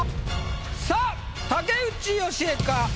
さあ竹内由恵か？